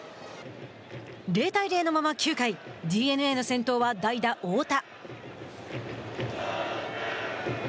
０対０のまま９回ＤｅＮＡの先頭は代打大田。